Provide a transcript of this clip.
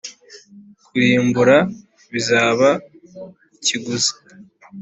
kurimbura bizaba ikiguzi,